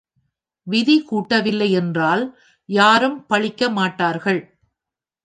விதி கூட்டவில்லை என்றால் யாரும் பழிக்க மாட்டார்கள்.